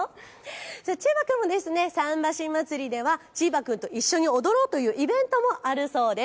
チーバくんもさんばしまつりではチーバくんと一緒に踊ろう！というイベントもあるそうです。